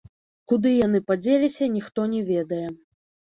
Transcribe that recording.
Куды яны падзеліся, ніхто не ведае.